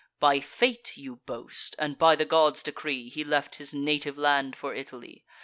By fate, you boast, and by the gods' decree, He left his native land for Italy!